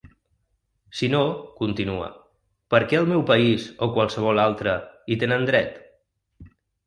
Si no –continua–, per què el meu país, o qualsevol altre, hi tenen dret?